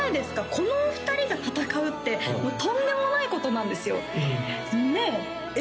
このお二人が戦うってもうとんでもないことなんですよねえ？